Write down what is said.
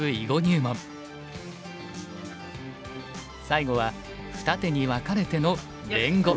最後は二手に分かれての連碁。